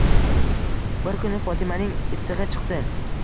Bir kuni Fotimaning issig`i chiqdi